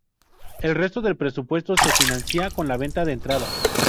El resto del presupuesto se financia con la venta de entradas.